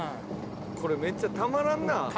「これめっちゃたまらんなあ」